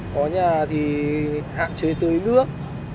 có nhà thì hạn chế tưới nước